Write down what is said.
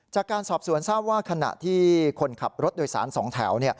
จากการสอบสวนทราบว่าขณะที่คนขับรถโดยสาร๒แถว